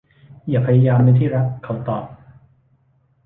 อย่าพยายามเลยที่รัก เขาตอบ